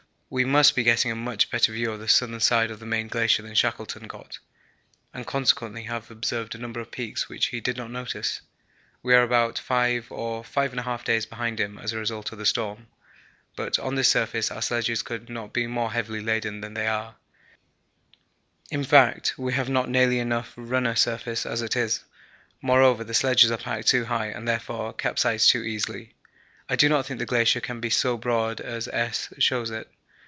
We must be getting a much better view of the southern side of the main glacier than Shackleton got, and consequently have observed a number of peaks which he did not notice. We are about 5 or 5 1/2 days behind him as a result of the storm, but on this surface our sledges could not be more heavily laden than they are, in fact we have not nearly enough runner surface as it is. Moreover, the sledges are packed too high and therefore capsize too easily. I do not think the glacier can be so broad as S. shows it.